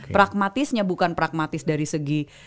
pragmatisnya bukan pragmatis dari segi